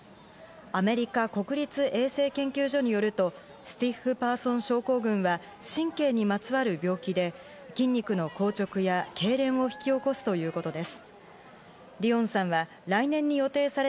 アメリカ国立衛生研究所によりますとスティッフパーソン症候群は、神経にまつわる病気で、筋肉の硬直やけいれんを引き起こすということです。